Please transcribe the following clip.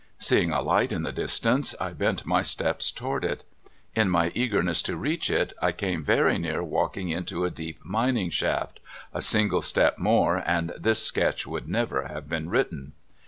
Seeing a light in the distance, I bent my steps toward it. In my eagerness to reach it I came very near walking into a deep mining shaft — a single step more, and this sketch would never have been written.